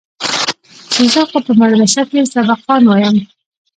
چې زه خو په مدرسه کښې سبقان وايم.